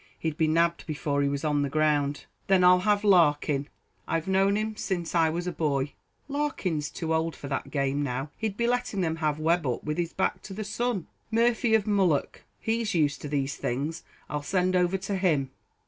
He'd be nabbed before he was on the ground." "Then I'll have Larkin; I've known him since I was a boy." "Larkin's too old for that game now; he'd be letting them have Webb up with his back to the sun." "Murphy, of Mullough; he's used to these things I'll send over to him."